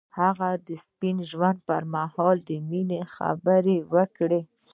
هغه د سپین ژوند پر مهال د مینې خبرې وکړې.